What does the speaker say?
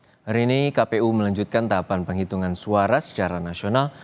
hari ini kpu melanjutkan tahapan penghitungan suara secara nasional